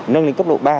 nâng lĩnh cấp độ ba